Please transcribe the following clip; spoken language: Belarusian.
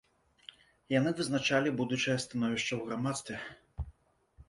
Яны вызначалі будучае становішча ў грамадстве.